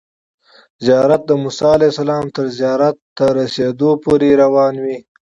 زیارت د موسی علیه السلام تر زیارت ته رسیدو پورې روان وي.